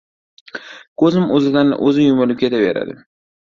Ko‘zim o‘zidan o‘zi yumilib ketaveradi.